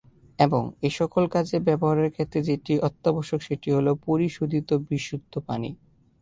এবং এইসকল কাজে ব্যবহারের ক্ষেত্রে যেটি অত্যাবশ্যক সেটি হল পরিশোধিত বিশুদ্ধ পানি।